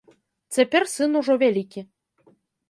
Цяпер сын ужо вялікі.